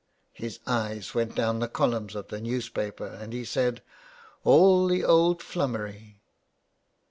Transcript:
.. His eyes went down the columns of the newspaper and he said, '' All the old flummery.